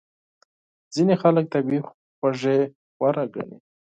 ځینې خلک طبیعي خوږې غوره ګڼي.